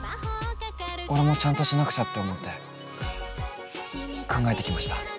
俺もちゃんとしなくちゃって思って考えてきました。